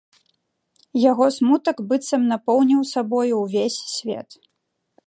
Яго смутак быццам напоўніў сабою ўвесь свет.